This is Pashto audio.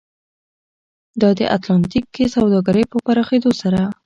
دا د اتلانتیک کې سوداګرۍ په پراخېدو سره و.